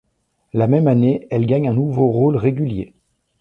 La même année, elle gagne un nouveau rôle régulier.